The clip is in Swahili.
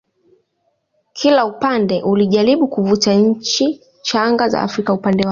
kila upande ulijaribu kuvuta nchi changa za Afrika upande wake